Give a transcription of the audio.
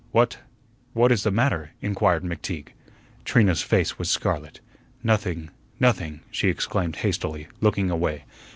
"What what is the matter?" inquired McTeague. Trina's face was scarlet. "Nothing, nothing," she exclaimed hastily, looking away.